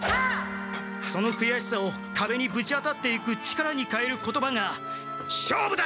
そのくやしさをかべにぶち当たっていく力にかえる言葉が「勝負だ！」